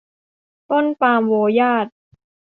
ต้นปาล์มโวยาจ